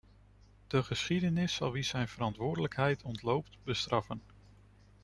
De geschiedenis zal wie zijn verantwoordelijkheid ontloopt, bestraffen.